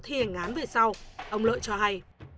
thi hành án về sau ông lợi cho hay